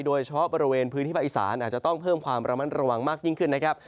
โดยเฉพาะบริเวณพื้นที่ภาคอีสานอาจจะต้องเพิ่มความระมัดระวังมากยิ่งขึ้นนะครับ